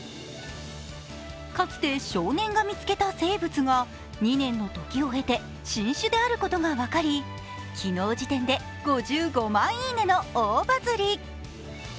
かつて少年が見つけた生物が２年の時を経て新種があることが分かり、昨日時点で５５万いいねの大バズリ。